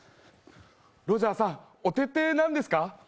ロジャーさん、お手って何ですか？